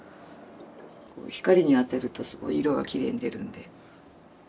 光に当てるとすごい色がきれいに出るんで。